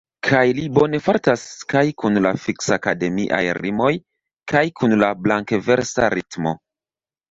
Kaj li bone fartas kaj kun la fiksaskemaj rimoj kaj kun la blankversa ritmo.